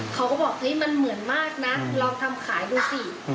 แล้วก็เลยลองทำตัวเนี่ยขายดู